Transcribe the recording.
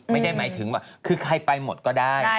ไม่ได้หมายถึงว่าคือใครไปหมดก็ได้